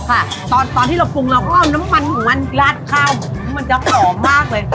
แต่ตอนที่เราปรุงเราก็เอาน้ำมันมันกราดข้าวมุมมันจะกล่อมากเลย